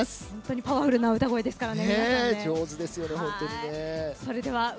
パワフルな歌声ですからね。